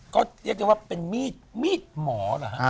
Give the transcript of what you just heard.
ก็เรียกได้ว่าเป็นมีดหมอนะฮะ